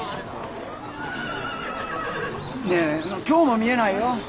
今日も見えないよ。